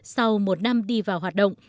sau một năm đi vào hoạt động